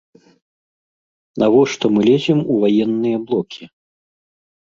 Навошта мы лезем у ваенныя блокі?